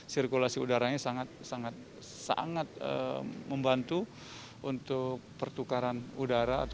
sirkulasi udaranya sangat sangat membantu untuk pertukaran udara